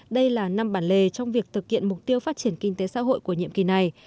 đây là năm bản lề trong việc thực hiện mục tiêu phát triển kinh tế xã hội của nhiệm kỳ này